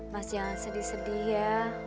mas jangan sedih sedih ya